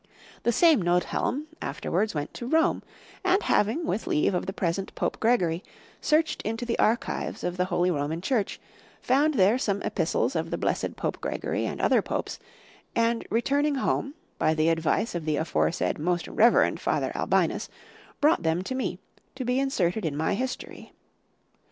The same Nothelm, afterwards went to Rome, and having, with leave of the present Pope Gregory,(12) searched into the archives of the Holy Roman Church, found there some epistles of the blessed Pope Gregory, and other popes; and, returning home, by the advice of the aforesaid most reverend father Albinus, brought them to me, to be inserted in my history.